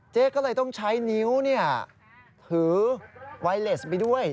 เจ๊ก็เลยต้องใช้นิ้วถือไวเลสไปด้วย